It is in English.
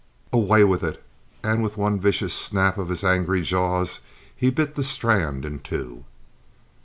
"Away with it!" and with one vicious snap of his angry jaws he bit the strand in two.